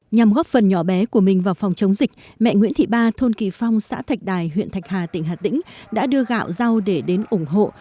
nhằm góp phần nhỏ bé của mình vào phòng chống dịch mẹ nguyễn thị ba thôn kỳ phong xã thạch đài huyện thạch hà tỉnh hà tĩnh đã đưa gạo rau để đến ủng hộ